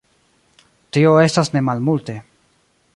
Tio estas nemalmulte.